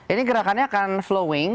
ini gerakannya akan flowing